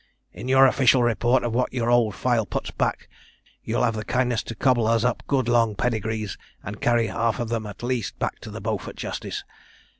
In your official report of what your old file puts back, you'll have the kindness to cobble us up good long pedigrees, and carry half of them at least back to the Beaufort Justice.